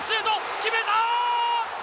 決めた！